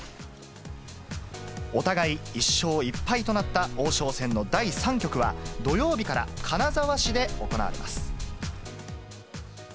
お互い１勝１敗となった王将戦の第３局は、土曜日から金沢市で行われます。